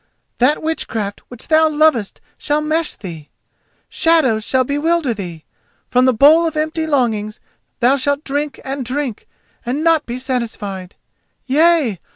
That witchcraft which thou lovest shall mesh thee. Shadows shall bewilder thee; from the bowl of empty longings thou shalt drink and drink, and not be satisfied. Yea!